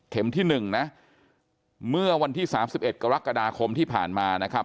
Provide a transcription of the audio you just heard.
เข็มที่หนึ่งนะเมื่อวันที่สามสิบเอ็ดกรรคกราคมที่ผ่านมานะครับ